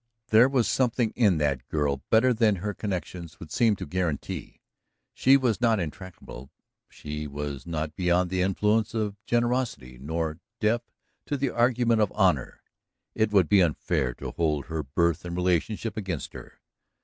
There was something in that girl better than her connections would seem to guarantee; she was not intractable, she was not beyond the influence of generosity, nor deaf to the argument of honor. It would be unfair to hold her birth and relationship against her.